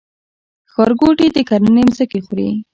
ښارګوټي د کرنې ځمکې خوري؟